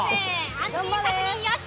安全確認よし！